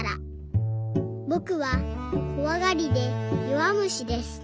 「ぼくはこわがりでよわむしです。